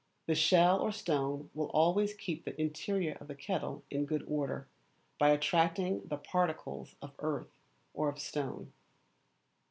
The shell or stone will always keep the interior of the kettle in good order, by attracting the particles of earth or of stone.